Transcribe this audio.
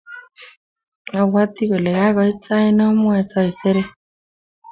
abwati kole kagoit sait namwoe saisere